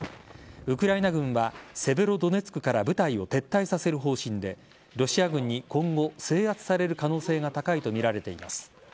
ウクライナ軍はセベロドネツクから部隊を撤退させる方針でロシア軍に今後制圧される可能性が高いとみられています。